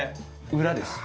裏です。